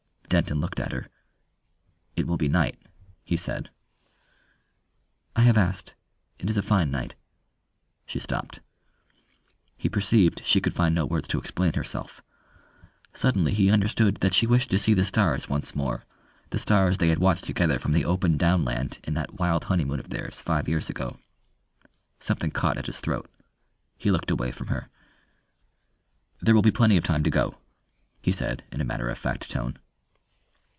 Denton looked at her. "It will be night," he said. "I have asked, it is a fine night." She stopped. He perceived she could find no words to explain herself. Suddenly he understood that she wished to see the stars once more, the stars they had watched together from the open downland in that wild honeymoon of theirs five years ago. Something caught at his throat. He looked away from her. "There will be plenty of time to go," he said, in a matter of fact tone.